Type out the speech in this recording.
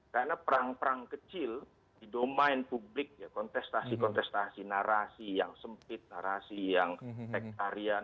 karena perang perang kecil di domain publik ya kontestasi kontestasi narasi yang sempit narasi yang tektarian